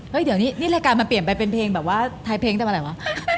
เดี๋ยวนี้นี่รายการมันเปลี่ยนไปเป็นเพลงแบบว่าท้ายเพลงแต่วันไหนวะ